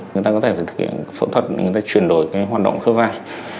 người ta có thể phải thực hiện phẫu thuật để người ta chuyển đổi cái hoạt động khớp vai